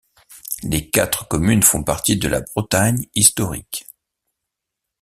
Les quatre communes font partie de la Bretagne historique.